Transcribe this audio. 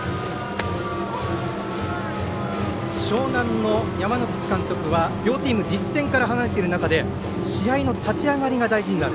樟南の山之口監督は両チーム実戦から離れている中で試合の立ち上がりが大事になる。